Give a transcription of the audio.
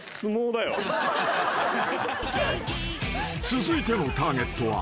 ［続いてのターゲットは］